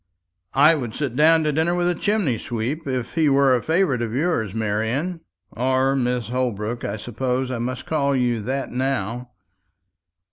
"I would sit down to dinner with a chimney sweep, if he were a favourite of yours, Marian or Mrs. Holbrook; I suppose I must call you that now."